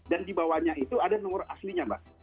dan di bawahnya itu ada nomor aslinya mbak